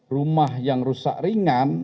rumah yang rusak ringan